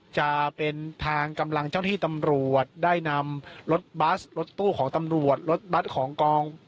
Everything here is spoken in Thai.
จะเป็นทางกำลังเจ้าที่ตำรวจได้นำรถบัสรถตู้ของตำรวจรถบัตรของกอง